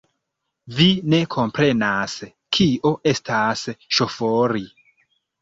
Vi ne komprenas, kio estas ŝofori.